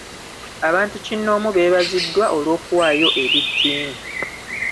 Abantu kinoonmu beebaziddwa olw'okuwaayo eri ttiimu.